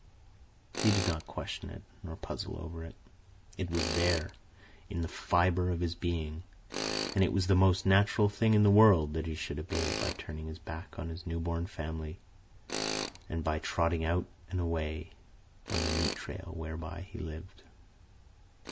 He did not question it, nor puzzle over it. It was there, in the fibre of his being; and it was the most natural thing in the world that he should obey it by turning his back on his new born family and by trotting out and away on the meat trail whereby he lived.